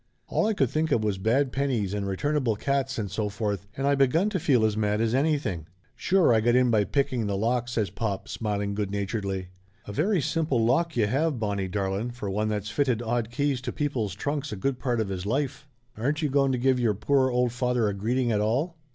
All I could think of was bad pennies and returnable cats, and so forth, and I begun to feel as mad as anything. . "Sure I got in by picking the lock," says pop, smiling good naturedly. "A very simple lock ye have, Bonnie darlin/ for one that's fitted odd keys to people's trunks a good part of his life. Aren't ye going to give your poor old father a greeting at all